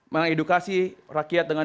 mengedukasi rakyat dengan